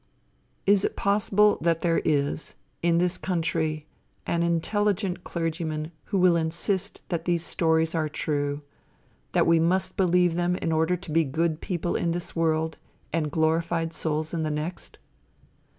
Is it possible that there is, in this country, an intelligent clergyman who will insist that these stories are true; that we must believe them in in order to be good people in this world, and glorified souls in the next?